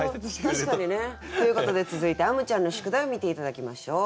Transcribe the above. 確かにね。ということで続いてあむちゃんの宿題を見て頂きましょう。